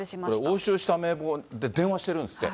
押収した名簿で電話してるんですって。